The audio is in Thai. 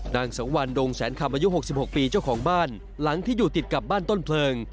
นางสังวันดงแสนคำอายุ๖๖ปีเจ้าของบ้านหลังที่อยู่ติดกับบ้านต้นเพลิง